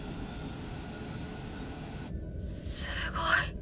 すごい。